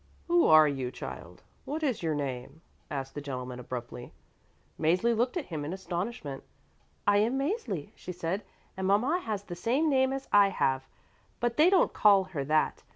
"Who are you, child? What is your name," asked the gentleman abruptly. Mäzli looked at him in astonishment. "I am Mäzli," she said, "and mama has the same name as I have. But they don't call her that.